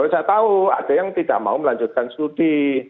saya tahu ada yang tidak mau melanjutkan studi